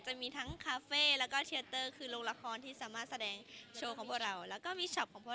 จะมีทั้งแล้วก็คือลงละครที่สามารถแสดงของพวกเราแล้วก็มีของพวก